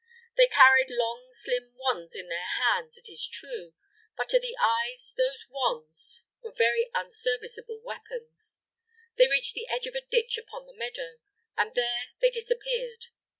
They carried long slim wands in their hands, it is true; but to the eye those wands were very unserviceable weapons. They reached the edge of a ditch upon the meadow, and there they disappeared.